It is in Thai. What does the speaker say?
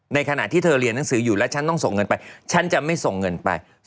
ขณะที่เธอเรียนหนังสืออยู่แล้วฉันต้องส่งเงินไปฉันจะไม่ส่งเงินไป